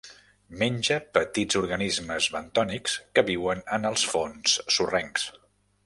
Menja petits organismes bentònics que viuen en els fons sorrencs.